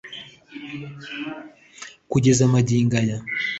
kugeza magingo aya